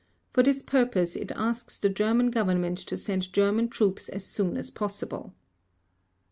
For this purpose it asks the German Government to send German troops as soon as possible."